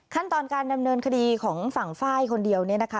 ขั้นตอนการดำเนินคดีของฝั่งไฟล์คนเดียวเนี่ยนะคะ